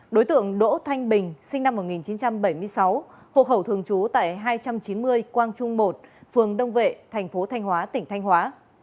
đối tượng đỗ thanh bình sinh năm một nghìn chín trăm bảy mươi sáu hộ khẩu thường trú tại hai trăm chín mươi quang trung một phường đông vệ thành phố thanh hóa tỉnh thanh hóa